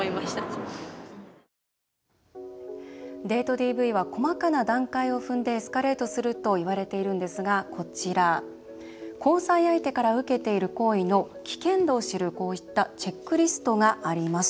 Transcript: ＤＶは細かな段階を踏んでエスカレートするといわれているんですが、こちら交際相手から受けている行為の危険度を知るこういったチェックリストがあります。